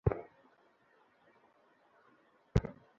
Senior দের good morning বলতে পারো না?